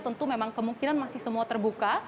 tentu memang kemungkinan masih semua terbuka